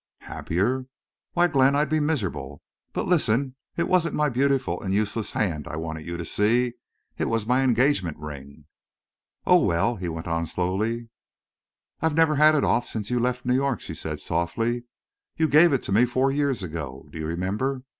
"Happier! Why Glenn, I'd be miserable!... But listen. It wasn't my beautiful and useless hand I wanted you to see. It was my engagement ring." "Oh!—Well?" he went on, slowly. "I've never had it off since you left New York," she said, softly. "You gave it to me four years ago. Do you remember?